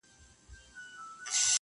نو بیا ولي ګیله من یې له اسمانه-